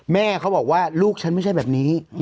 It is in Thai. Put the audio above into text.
แม่เขาบอกว่าลูกฉันไม่ใช่แบบนี้